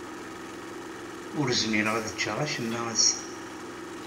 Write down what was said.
Ur zmireɣ ad ččeɣ acemma ass-a.